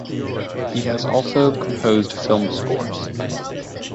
He has also composed film scores.